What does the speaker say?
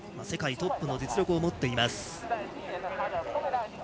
世界トップの実力を持っています。